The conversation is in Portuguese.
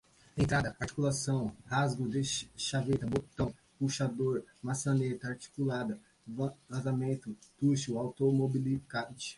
entrada, articulação, rasgo de chaveta, botão, puxador, maçaneta, articulada, vazamento, tucho, autoblocante